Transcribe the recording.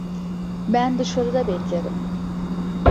Ben dışarıda beklerim.